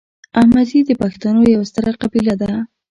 احمدزي د پښتنو یوه ستره قبیله ده